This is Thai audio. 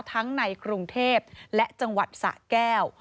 ในกรุงเทพและจังหวัดสะแก้ว